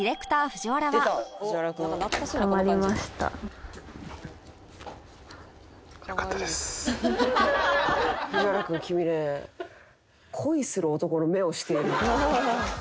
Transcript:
藤原君君ね恋する男の目をしている。